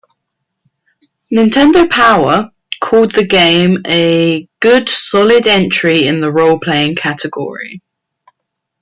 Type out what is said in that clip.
"Nintendo Power" called the game a "good, solid entry in the role-playing category".